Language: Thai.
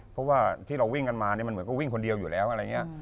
เพราะว่าที่เราวิ่งกันมาเนี่ยมันเหมือนก็วิ่งคนเดียวอยู่แล้วอะไรอย่างนี้